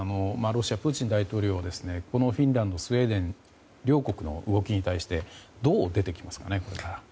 ロシアのプーチン大統領はこのフィンランド、スウェーデン両国の動きに対してどう出てきますかね。